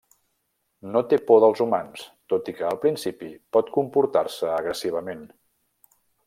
No té por dels humans, tot i que al principi pot comportar-se agressivament.